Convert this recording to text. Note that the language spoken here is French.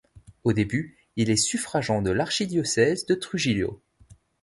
Au début, il est suffragant de l'archidiocèse de Trujillo.